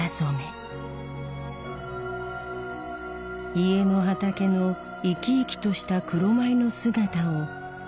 家の畑の生き生きとした黒米の姿を表現しました。